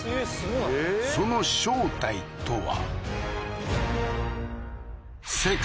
その正体とは？